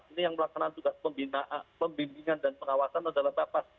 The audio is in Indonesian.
ini yang melakukan tugas pembimbingan dan pengawasan adalah bapak